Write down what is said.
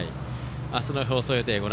あすの放送予定